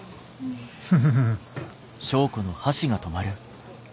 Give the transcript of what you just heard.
フフフフ。